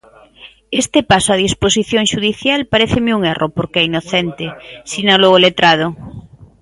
"Este paso a disposición xudicial paréceme un erro porque é inocente", sinalou o letrado.